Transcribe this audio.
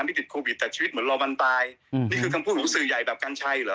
นี่ติดโควิดแต่ชีวิตเหมือนรอวันตายอืมนี่คือคำพูดของสื่อใหญ่แบบกัญชัยเหรอ